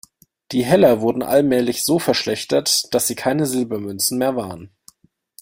Die Heller wurden allmählich so verschlechtert, dass sie keine Silbermünzen mehr waren.